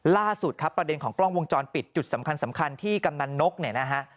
ล่าสุดครับประเด็นของกล้องวงจรปิดจุดสำคัญสำคัญที่กำนันนกเนี่ยนะฮะ